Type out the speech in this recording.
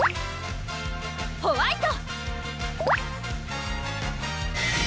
ホワイト！